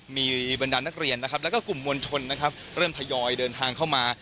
มีบรรดานนักเรียนนะครับแล้วก็กลุ่มมวลชนนะครับเริ่มทยอยเดินทางเข้ามา